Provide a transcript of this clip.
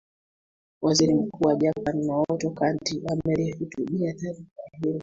waziri mkuu wa japan naoto kanti amelihutubia taifa hilo